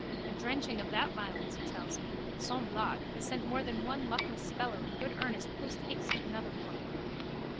A drenching of that violence, he tells me, sans blague, has sent more than one luckless fellow in good earnest posthaste to another world.